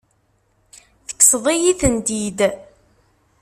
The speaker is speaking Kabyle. Tekkseḍ-iyi-tent-id.